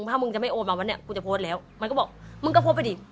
ถ้ามึงจะไม่โอนมาวันนี้กูจะโพสต์แล้วมันก็บอกมึงก็โพสต์ไปดิ